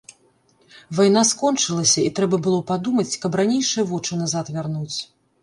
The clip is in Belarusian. Вайна скончылася, і трэба было падумаць, каб ранейшыя вочы назад вярнуць.